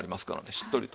しっとりと。